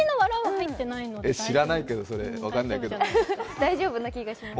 知らないけど、それ分かんないけど大丈夫な気がします。